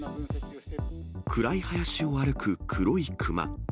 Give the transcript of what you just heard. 暗い林を歩く黒いクマ。